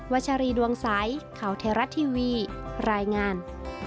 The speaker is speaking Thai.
วัชรีดวงสายเข่าเทราะทีวีรายงาน